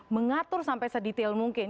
mengatur sampai sedetail mungkin